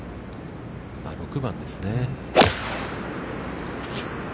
６番ですね。